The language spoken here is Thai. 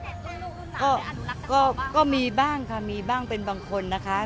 แบบลูกลูกน้ำไปอันดูรักกับเขาบ้างก็ก็มีบ้างค่ะมีบ้างเป็นบางคนนะคะ